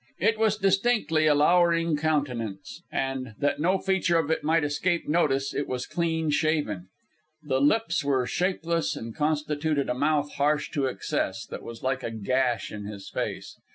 It was distinctly a lowering countenance, and, that no feature of it might escape notice, it was clean shaven. The lips were shapeless and constituted a mouth harsh to excess, that was like a gash in his face.